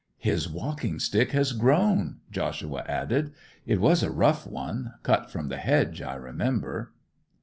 'His walking stick has grown!' Joshua added. 'It was a rough one—cut from the hedge, I remember.